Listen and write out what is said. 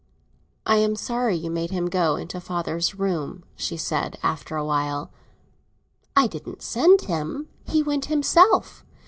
"I am sorry you made him go into father's room," she said, after a while. "I didn't make him go; he went himself.